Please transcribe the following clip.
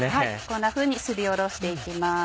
こんなふうにすりおろして行きます。